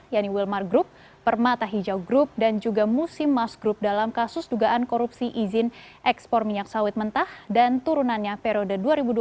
yaitu wilmar group permata hijau group dan juga musim mas group dalam kasus dugaan korupsi izin ekspor minyak sawit mentah dan turunannya periode dua ribu dua puluh